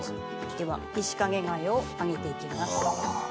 ではイシカゲ貝を揚げていきます。